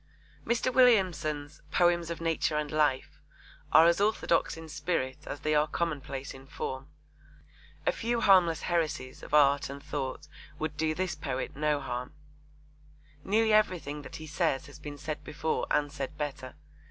Mr. Williamson's Poems of Nature and Life are as orthodox in spirit as they are commonplace in form. A few harmless heresies of art and thought would do this poet no harm. Nearly everything that he says has been said before and said better.